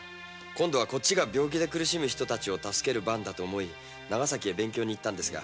「今度はこっちが病気で苦しむ人を助ける番だ」と思い長崎に勉強に行ったのですが。